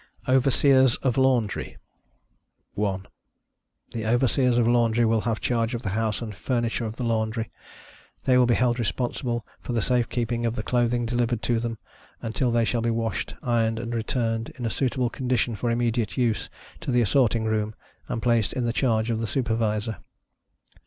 OVERSEERS OF LAUNDRY. 1. The Overseers of the laundry will have charge of the house and furniture of the laundry; they will be held responsible for the safe keeping of the clothing delivered to them, until they shall be washed, ironed and returned, in a suitable condition for immediate use, to the assorting room, and placed in the charge of the Supervisor.